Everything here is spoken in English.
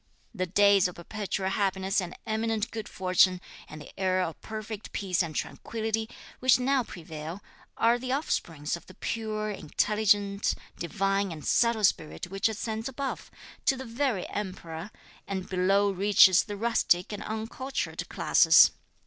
The days of perpetual happiness and eminent good fortune, and the era of perfect peace and tranquility, which now prevail, are the offspring of the pure, intelligent, divine and subtle spirit which ascends above, to the very Emperor, and below reaches the rustic and uncultured classes.